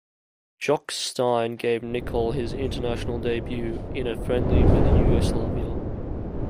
Jock Stein gave Nicol his international debut in a friendly with Yugoslavia.